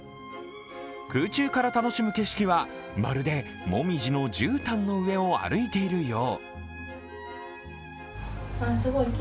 空中から楽しむ景色はまるで、もみじのじゅうたんの上を歩いているよう。